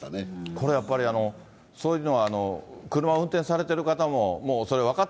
これはやっぱり、そういうのは、車を運転されている方も、それ分かっ